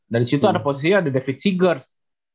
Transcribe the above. dari situ ada posisinya ada david seagers